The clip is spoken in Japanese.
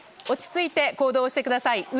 落ち着いて行動をしてください。